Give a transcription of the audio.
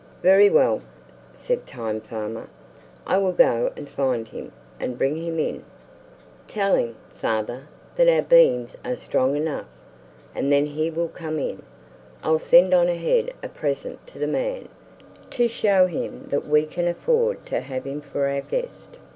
"Very well," said time farmer; "I will go and find him, and bring him in." "Tell him, father, that our beams are strong enough, and then he will come in. I'll send on ahead a present to the man, to show him that we can afford to have him for our guest."